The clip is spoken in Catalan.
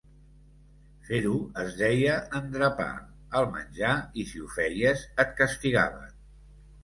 Fer-ho es deia "endrapar" el menjar i si ho feies et castigaven.